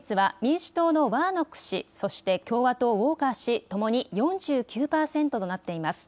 得票率は民主党のワーノック氏、そして共和党、ウォーカー氏、ともに４９％となっています。